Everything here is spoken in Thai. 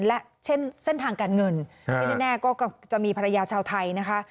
และเส้นทางการเงินที่แน่ก็จะมีภรรยาชาวไทยนะคะ